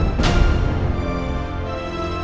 aku akan selalu mencintai kamu